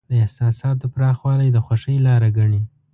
د احساساتو پراخوالی د خوښۍ لاره ګڼي.